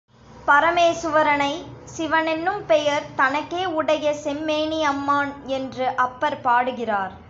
பரமேசுவரனை, சிவனெனும் பெயர் தனக்கே உடைய செம்மேனி அம்மான் என்று அப்பர் பாடுகிறார்.